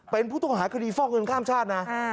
เป็นผู้ต้องหาคดีฟอกเงินข้ามชาตินะ